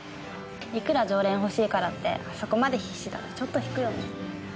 いくら常連欲しいからってあそこまで必死だとちょっと引くよね。